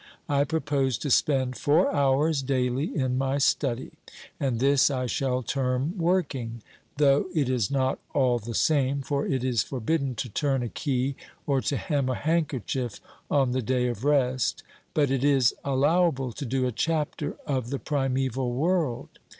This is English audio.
I propose to spend four hours daily in my study, and this I shall term working, though it is not all the same, for it is forbidden to turn a key or to hem a handkerchief on the day of rest, but it is allowable to do a chapter of the " Primeval World."